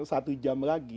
satu jam lagi